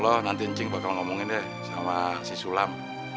bisa dipanggil deh sama si sulam